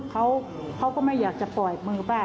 เขาก็ไม่อยากจะปล่อยมือป้า